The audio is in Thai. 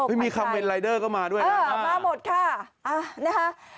ไม่มีคัมเว้นไลเดอร์ก็มาด้วยนะฮะค่ะมาหมดค่ะนะฮะ